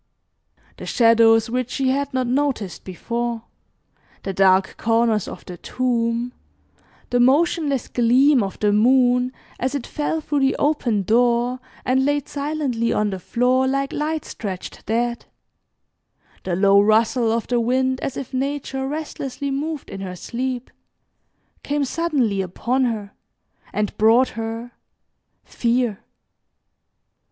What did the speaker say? The shadows which she had not noticed before, the dark corners of the tomb, the motionless gleam of the moon as it fell through the open door, and laid silently on the floor like light stretched dead, the low rustle of the wind as if Nature restlessly moved in her sleep, came suddenly upon her, and brought her fear.